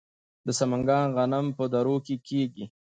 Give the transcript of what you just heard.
د سمنګان غنم په درو کې کیږي.